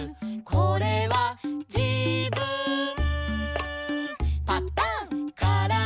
「これはじぶん」